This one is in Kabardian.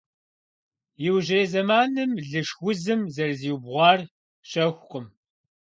Иужьрей зэманым лышх узым зэрызиубгъуар щэхукъым.